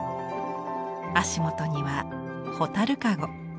足元には蛍かご。